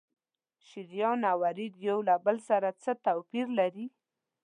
شریان او ورید یو له بل سره څه توپیر لري؟